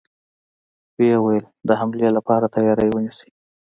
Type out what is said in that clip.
و يې ويل: د حملې له پاره تياری ونيسئ!